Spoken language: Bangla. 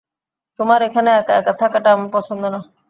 তোমার এখানে একা একা থাকাটা আমার পছন্দ না।